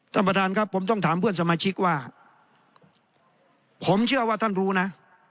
ท่านประธานครับผมต้องถามเพื่อนสมาชิกว่าผมเชื่อว่าท่านรู้นะ